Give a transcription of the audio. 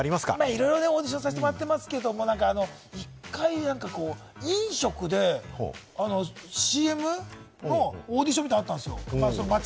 いろいろオーディションさせてもらってますけれども、一回飲食で何かＣＭのオーディションがあったんですよ。